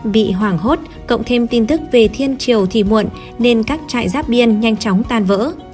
bị hoảng hốt cộng thêm tin tức về thiên triều thì muộn nên các trại giáp biên nhanh chóng tan vỡ